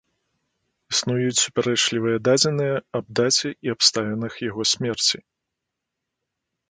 Існуюць супярэчлівыя дадзеныя аб даце і абставінах яго смерці.